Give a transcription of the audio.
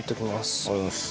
ありがとうございます。